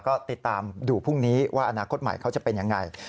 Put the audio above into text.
ก็ติดตามดูพรุ่งนี้ว่าอนาคตใหม่เขาจะเป็นยังไง